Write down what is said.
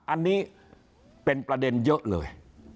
อันนี้เป็นประเด็นเยอะเลย